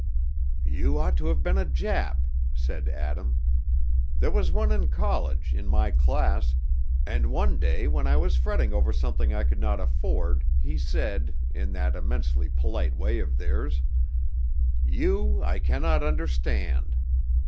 "You ought to have been a Jap," said Adam. "There was one in college, in my class, and one day when I was fretting over something I could not afford he said, in that immensely polite way of theirs, 'You I cannot understand.